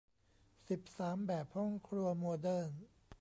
สิบสาม แบบห้องครัวโมเดิร์น